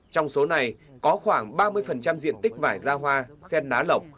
trong số này có khoảng ba mươi diện tích vải ra hoa sen ná lọc